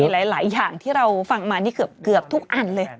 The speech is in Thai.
หลายอย่างที่เราฟังมานี่เกือบทุกอันเลย